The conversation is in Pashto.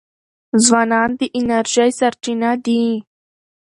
ځوانان د انرژۍ سرچینه دي.